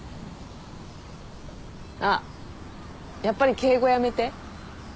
あっやっぱり敬語やめて。